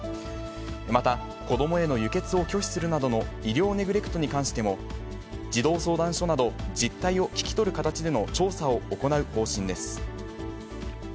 また、子どもへの輸血を拒否するなどの医療ネグレクトに関しても、児童相談所など、実態を聞き取る形での調査を行う方針です。